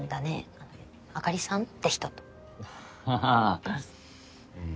あのあかりさんって人とああうん